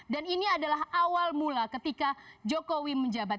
dan ini adalah awal mula ketika jokowi menjabat